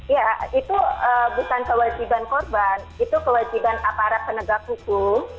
ya itu bukan kewajiban korban itu kewajiban aparat penegak hukum